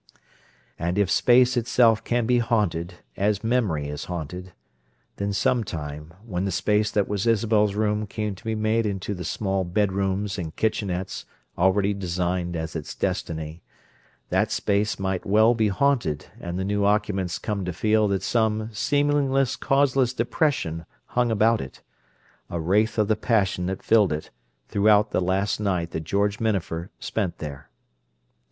And if space itself can be haunted, as memory is haunted, then some time, when the space that was Isabel's room came to be made into the small bedrooms and "kitchenettes" already designed as its destiny, that space might well be haunted and the new occupants come to feel that some seemingly causeless depression hung about it—a wraith of the passion that filled it throughout the last night that George Minafer spent there.